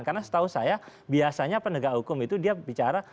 karena setahu saya biasanya penegak hukum itu dia bicara